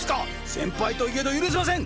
先輩といえど許せません